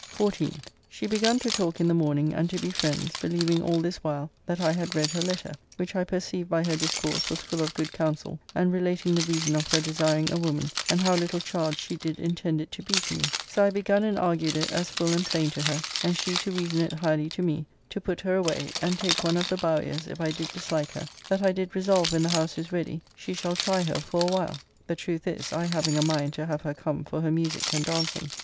14th. She begun to talk in the morning and to be friends, believing all this while that. I had read her letter, which I perceive by her discourse was full of good counsel, and relating the reason of her desiring a woman, and how little charge she did intend it to be to me, so I begun and argued it as full and plain to her, and she to reason it highly to me, to put her away, and take one of the Bowyers if I did dislike her, that I did resolve when the house is ready she shall try her for a while; the truth is, I having a mind to have her come for her musique and dancing.